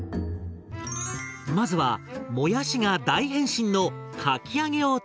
まずはもやしが大変身のかき揚げを作ります。